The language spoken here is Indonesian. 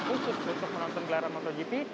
khusus untuk menonton gelaran motogp